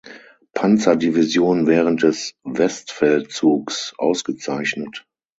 Panzer-Division während des Westfeldzugs ausgezeichnet.